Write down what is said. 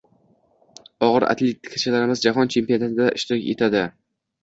Og‘ir atletikachilarimiz jahon chempionatida ishtirok etadi